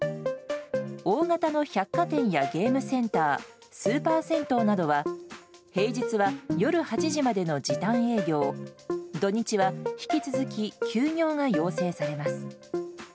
大型の百貨店やゲームセンタースーパー銭湯などは平日は夜８時までの時短営業土日は引き続き休業が要請されます。